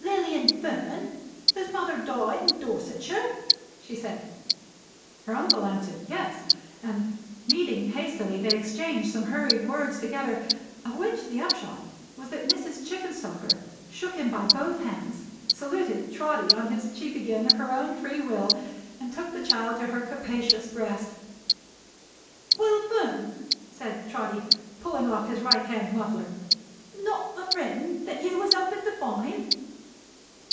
"Not Lilian Fern, whose mother died in Dorsetshire?" said she. Her uncle answered "Yes," and meeting hastily they exchanged some hurried words together, of which the upshot was that Mrs. Chickenstalker shook him by both hands, saluted Trotty on his cheek again of her own free will, and took the child to her capacious breast. "Will Fern," said Trotty, pulling on his right hand muffler. "Not the friend that you was hoping to find?"